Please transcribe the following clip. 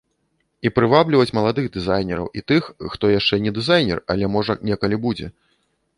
І прывабліваць маладых дызайнераў і тых, хто яшчэ не дызайнер, але, можа, некалі будзе.